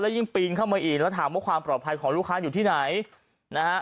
ยิ่งปีนเข้ามาอีกแล้วถามว่าความปลอดภัยของลูกค้าอยู่ที่ไหนนะฮะ